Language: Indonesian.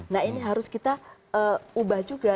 nah ini harus kita ubah juga